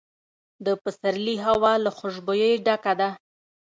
د پسرلي هوا له خوشبویۍ ډکه ده.